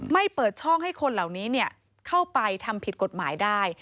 เปิดช่องให้คนเหล่านี้เข้าไปทำผิดกฎหมายได้